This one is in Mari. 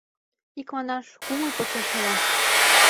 Икманаш, кумыл почеш ила.